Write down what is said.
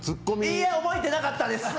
いいえ、覚えてなかったです！